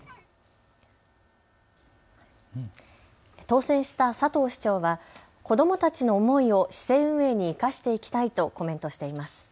当選した佐藤市長は子どもたちの思いを市政運営に生かしていきたいとコメントしています。